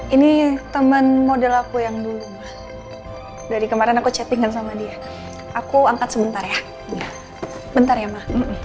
ini temen model aku yang dulu dari kemarin aku chatting sama dia aku angkat sebentar ya bentar ya